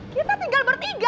kita tinggal bertiga kerja